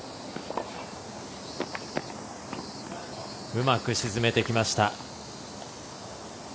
うまく沈めてきました。